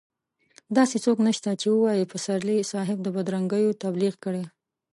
داسې څوک نشته چې ووايي پسرلي صاحب د بدرنګيو تبليغ کړی.